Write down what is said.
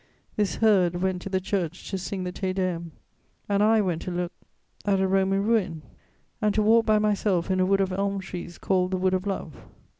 This herd went to the church to sing the Te Deum, and I went to look at a Roman ruin and to walk by myself in a wood of elm trees called the 'Wood of Love.'